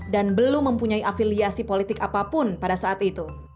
dan belum mempunyai afiliasi politik apapun pada saat itu